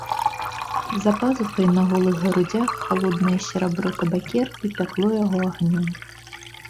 За пазухай на голых грудзях халоднае серабро табакеркі пякло яго агнём.